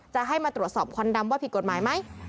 จะให้มาตรวจสอบควันดำว่าผิดกฎหมายไหม